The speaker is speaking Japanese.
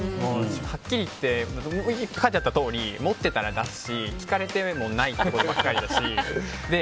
はっきりいって書いてあったとおり持っていたら出すし聞かれてもないことばっかりだし。